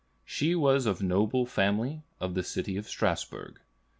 She was of noble family, of the city of Strasbourg.